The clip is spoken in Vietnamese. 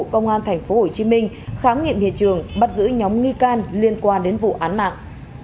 công an tp hcm khám nghiệm hiện trường bắt giữ nhóm nghi can liên quan đến vụ án mạng